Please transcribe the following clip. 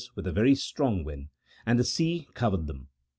with a very strong wind), and the sea covered them."